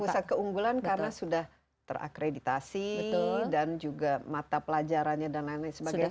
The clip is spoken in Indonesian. pusat keunggulan karena sudah terakreditasi dan juga mata pelajarannya dan lain lain sebagainya